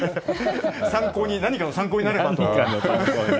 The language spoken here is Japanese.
何かの参考になればと。